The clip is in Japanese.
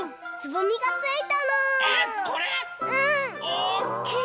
おっきい！